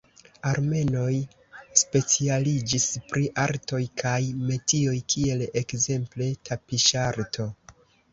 Armenoj specialiĝis pri artoj kaj metioj kiel ekzemple tapiŝarto.